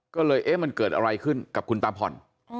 ก็เลยเอ๊ะมันเกิดอะไรขึ้นกับคุณตาผ่อน